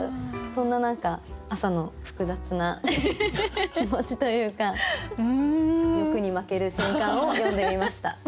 そんな何か朝の複雑な気持ちというか欲に負ける瞬間を詠んでみました。